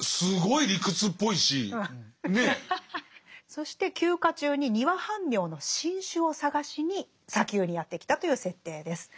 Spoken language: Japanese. そして休暇中にニワハンミョウの新種を探しに砂丘にやって来たという設定です。